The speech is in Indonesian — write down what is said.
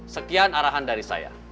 sekian arahan dari saya